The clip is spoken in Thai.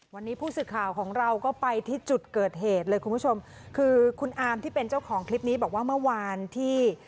วันนี้ผู้สื่อข่าวของเราก็ไปที่จุดเกิดเหตุเลยคุณผู้ชมคือคุณอามที่เป็นเจ้าของคลิปนี้บอกว่าเมื่อวานที่